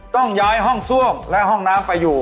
ต้องย้ายห้องซ่วมและห้องน้ำไปอยู่